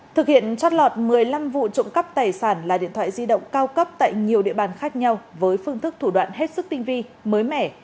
thực hiện trót lọt một mươi năm vụ trộm cắp tài sản là điện thoại di động cao cấp tại nhiều địa bàn khác nhau với phương thức thủ đoạn hết sức tinh vi mới mẻ